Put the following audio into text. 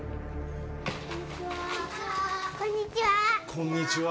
こんにちは